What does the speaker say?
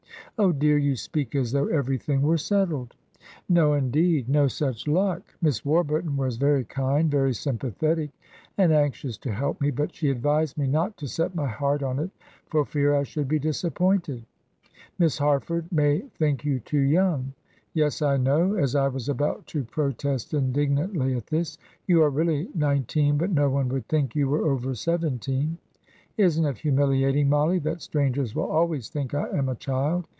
"Oh, dear, you speak as though everything were settled." "No, indeed, no such luck. Miss Warburton was very kind, very sympathetic, and anxious to help me; but she advised me not to set my heart on it for fear I should be disappointed. 'Miss Harford may think you too young, yes, I know,' as I was about to protest indignantly at this, 'you are really nineteen, but no one would think you were over seventeen.' Isn't it humiliating, Mollie, that strangers will always think I am a child?